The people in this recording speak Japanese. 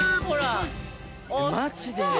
マジで。